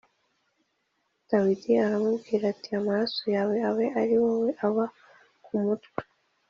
Dawidi aramubwira ati “Amaraso yawe abe ari wowe aba ku mutwe